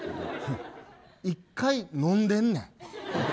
１回、飲んでんねん。